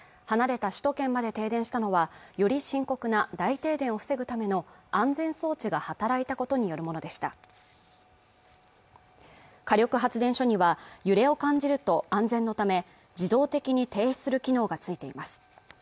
離れた首都圏まで停電したのはより深刻な大停電を防ぐための安全装置が働いたことによるものでした火力発電所には揺れを感じると安全のため自動的に停止する機能がついています